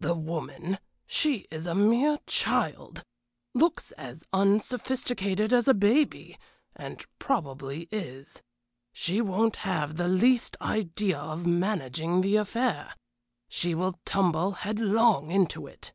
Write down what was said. The woman she is a mere child looks as unsophisticated as a baby, and probably is. She won't have the least idea of managing the affair. She will tumble headlong into it."